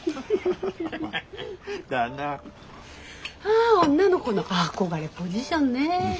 あ女の子の憧れポジションね。